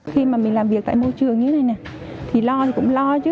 khi mà mình làm việc tại môi trường như thế này thì lo thì cũng lo chứ